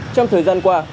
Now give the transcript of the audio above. trong thời gian qua